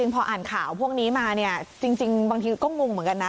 พออ่านข่าวพวกนี้มาเนี่ยจริงบางทีก็งงเหมือนกันนะ